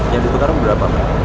yang ditukar berapa